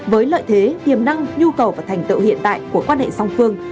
với lợi thế tiềm năng nhu cầu và thành tựu hiện tại của quan hệ song phương